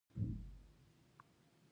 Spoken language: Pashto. کلتور د افغانانو د ګټورتیا برخه ده.